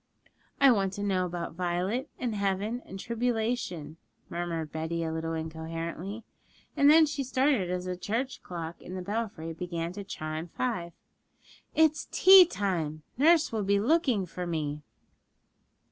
'I want to know about Violet, and heaven, and tribulation,' murmured Betty a little incoherently; and then she started as the church clock in the belfry began to chime five. 'It's tea time; nurse will be looking for me.'